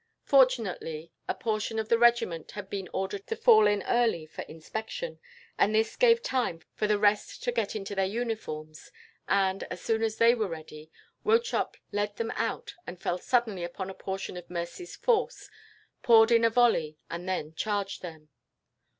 Fortunately, a portion of the regiment had been ordered to fall in early for inspection, and this gave time for the rest to get into their uniforms; and, as soon as they were ready, Wauchop led them out and fell suddenly upon a portion of Mercy's force, poured in a volley, and then charged them.